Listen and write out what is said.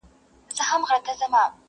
په دولت او مال یې ډېر وو نازولی,